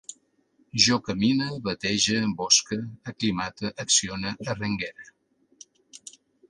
Jo camine, batege, bosque, aclimate, accione, arrenguere